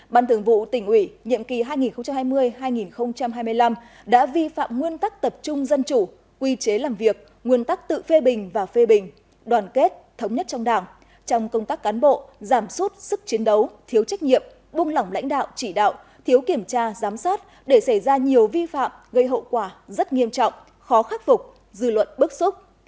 ban thường vụ tỉnh ủy nhiệm kỳ hai nghìn hai mươi hai nghìn hai mươi năm đã vi phạm nguyên tắc tập trung dân chủ quy chế làm việc nguyên tắc tự phê bình và phê bình đoàn kết thống nhất trong đảng trong công tác cán bộ giảm suốt sức chiến đấu thiếu trách nhiệm bung lỏng lãnh đạo chỉ đạo thiếu kiểm tra giám sát để xảy ra nhiều vi phạm gây hậu quả rất nghiêm trọng khó khắc phục dư luận bức xúc